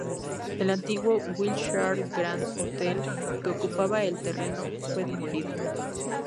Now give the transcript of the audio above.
El antiguo Wilshire Grand Hotel que ocupaba el terreno, fue demolido.